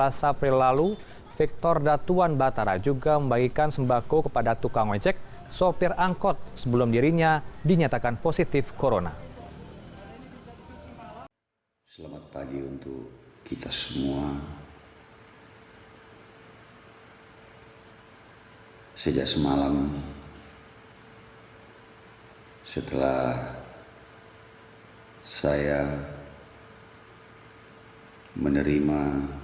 pada sebelas april lalu victor datuan batara juga membagikan sembako kepada tukang ojek sopir angkot sebelum dirinya dinyatakan positif corona